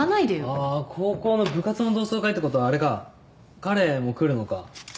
あぁ高校の部活の同窓会ってことはあれか彼も来るのか。